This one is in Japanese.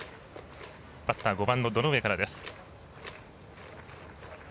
バッター５番の堂上からです。